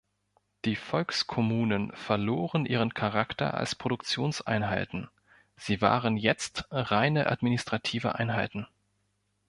Die Volkskommunen verloren ihren Charakter als Produktionseinheiten, sie waren jetzt reine administrative Einheiten.